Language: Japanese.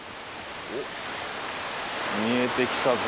おっ見えてきたぞ。